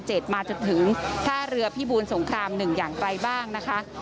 เจ็ดมาจนถึงท่าเรือพี่บุญสงครามหนึ่งอย่างไกลบ้างนะคะ